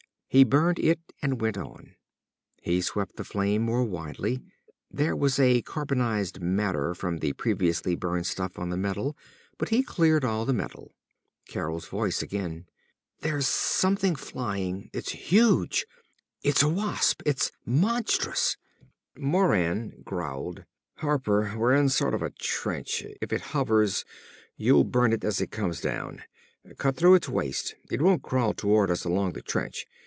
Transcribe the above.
He burned it and went on. He swept the flame more widely. There was carbonized matter from the previously burned stuff on the metal, but he cleared all the metal. Carol's voice again; "There's something flying.... It's huge! It's a wasp! It's monstrous!" Moran growled; "Harper, we're in a sort of trench. If it hovers, you'll burn it as it comes down. Cut through its waist. It won't crawl toward us along the trench.